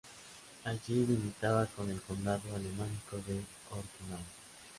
Allí limitaba con el condado alemánico de Ortenau.